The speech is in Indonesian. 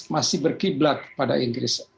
masih berkiblat pada inggris